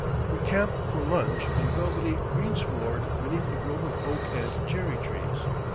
We camp for lunch on velvety greensward beneath a grove of oak and cherry trees.